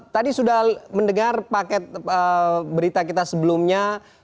tadi sudah mendengar paket berita kita sebelumnya